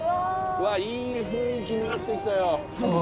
うわっいい雰囲気になってきたよ。